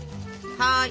はい。